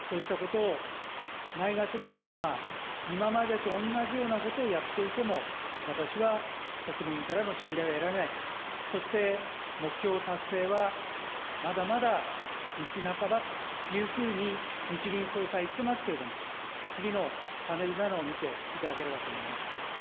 そうしたことをないがしろにしたまま、今までと同じようなことをやっていても、私は国民からの信頼を得られない、そして目標達成はまだまだ道半ばというふうに、日銀総裁言ってますけれども、次のパネル７を見ていただければと思います。